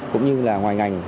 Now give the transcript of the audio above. cũng như là ngoài ngành